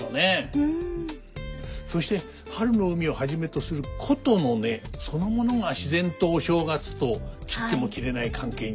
そして「春の海」をはじめとする箏の音そのものが自然とお正月と切っても切れない関係になったのかもしれませんね。